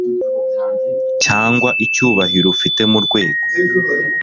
cyangwa icyubahiro ufite mu rwego